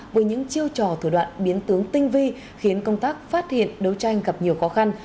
với những chiêu trò thủ đoạn biến tướng tinh vi khiến công tác phát hiện đấu tranh gặp nhiều khó khăn